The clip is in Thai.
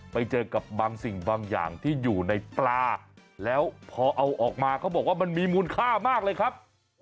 ไปเจอกับบางสิ่งบางอย่างที่อยู่ในปลาแล้วพอเอาออกมาเขาบอกว่ามันมีมูลค่ามากเลยครับ